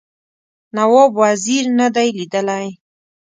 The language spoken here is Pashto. نواب وزیر نه دی لیدلی.